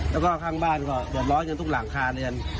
แล้วก็ข้างบ้านก็โดดร้อยจนทุกหลังคาเลย